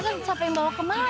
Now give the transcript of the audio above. lagi siapa yang bawa kemari